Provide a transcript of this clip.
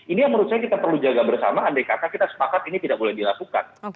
ini yang menurut saya kita perlu jaga bersama andai kata kita sepakat ini tidak boleh dilakukan